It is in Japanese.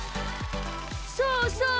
そうそう！